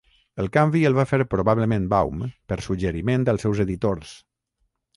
El canvi el va fer probablement Baum per suggeriment dels seus editors.